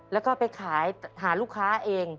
แล้วก็ไปขายหาลูกค้าเอง